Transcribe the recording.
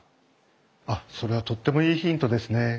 あっそれはとってもいいヒントですね。